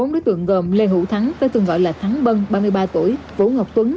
bốn đối tượng gồm lê hữu thắng với thường gọi là thắng bân ba mươi ba tuổi vũ ngọc tuấn